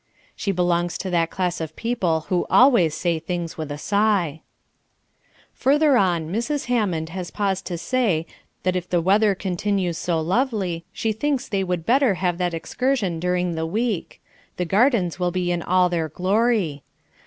She belongs to that class of people who always say things with a sigh. Further on Mrs. Hammond has paused to say that if the weather continues so lovely she thinks they would better have that excursion during the week. The gardens will be in all their glory.